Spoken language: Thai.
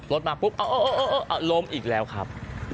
รถมาปุ๊บล้มอีกแล้วครับ